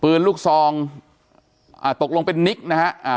ปืนลูกซองอ่าตกลงเป็นนิกนะฮะอ่า